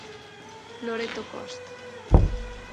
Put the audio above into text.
Loreto Costa.